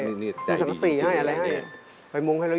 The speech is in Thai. เอาชีวิตให้ดี